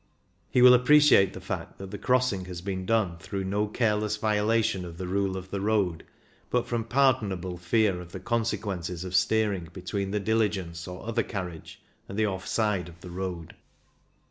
He will appreciate the fact that the crossing has been done through no careless violation of the rule of the road, but trom pardonable fear of the consequences of steering between the dili gence or other carriage and the off side of the road.